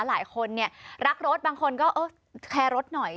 หลายคนเนี่ยรักรถบางคนก็เออแคร์รถหน่อย